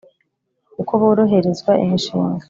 kuko boroherezwa imishinga,